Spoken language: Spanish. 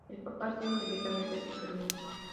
El papa dio inmediatamente su permiso.